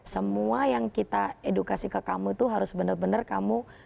semua yang kita edukasi ke kamu itu harus benar benar kamu